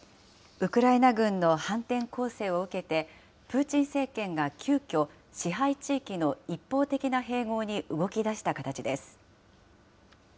ウクライナ軍の反転攻勢を受けて、プーチン政権が急きょ、支配地域の一方的な併合に動きだした形です。